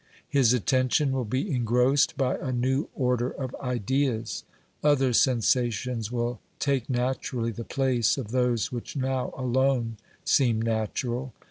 His attention will be engrossed by a new order of ideas ; other sensations will take naturally the place of those which now alone seem natural.